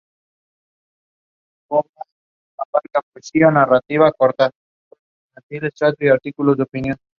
De la unión nacieron cinco hijos: Eduardo, Federico, Leonor, Leonardo y Manuel.